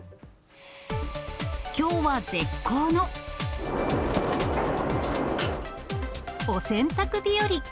きょうは絶好のお洗濯日和。